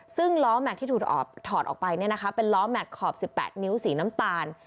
ซึ่งล้อแม็กซ์ที่ถูกถอดออกไปเป็นล้อแม็กซขอบ๑๘นิ้วสีน้ำตาล